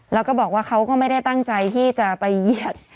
แล้วก็บอกว่าเขาก็ไม่ได้ตั้งใจที่จะไปเหยียด